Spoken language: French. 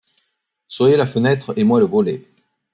Soyez la fenêtre et moi le volet.